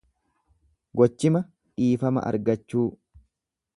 Gochima dhiifama argachuu.